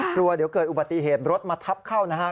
กลัวเดี๋ยวเกิดอุบัติเหตุรถมาทับเข้านะฮะ